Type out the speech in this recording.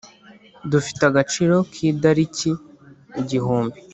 Dufite agaciro kidariki igihumbi